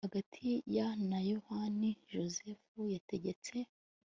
hagati ya na yohani jozefu yategetse